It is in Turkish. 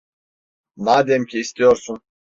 Madem ki istiyorsun…